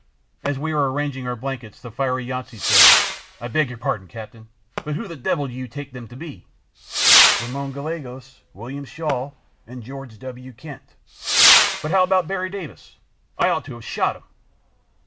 As we were arranging our blankets the fiery Yountsey said: "I beg your pardon, Captain, but who the devil do you take them to be?" "Ramon Gallegos, William Shaw and George W. Kent." "But how about Berry Davis? I ought to have shot him."